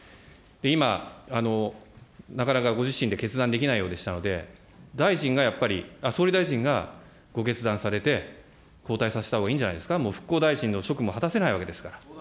今、なかなかご自身で決断できないようでしたので、大臣がやっぱり、総理大臣がご決断されて、交代させたほうがいいんじゃないですか、もう復興大臣の職務、果たせないわけですから。